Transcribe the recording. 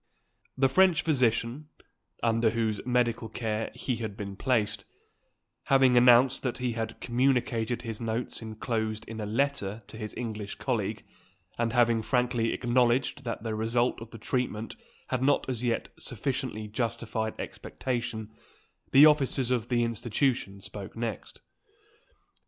The French physician, under whose medical care he had been placed, having announced that he had communicated his notes enclosed in a letter to his English colleague, and having frankly acknowledged that the result of the treatment had not as yet sufficiently justified expectation, the officers of the institution spoke next.